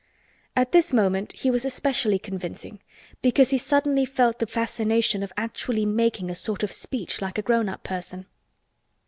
At this moment he was especially convincing because he suddenly felt the fascination of actually making a sort of speech like a grown up person.